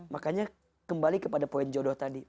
makanya kembali kepada poin jodoh tadi